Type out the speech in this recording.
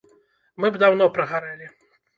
Мы б даўно прагарэлі.